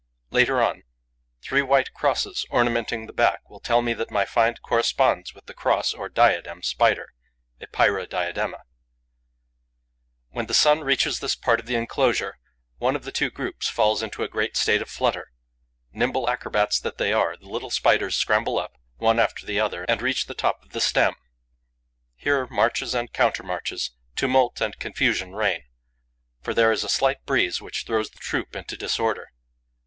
Later on, three white crosses, ornamenting the back, will tell me that my find corresponds with the Cross or Diadem Spider (Epeira diadema, WALCK.). When the sun reaches this part of the enclosure, one of the two groups falls into a great state of flutter. Nimble acrobats that they are, the little Spiders scramble up, one after the other, and reach the top of the stem. Here, marches and countermarches, tumult and confusion reign, for there is a slight breeze which throws the troop into disorder.